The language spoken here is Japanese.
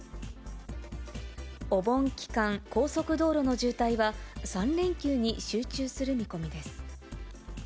お盆期間、高速道路の渋滞は、３連休に集中する見込みです。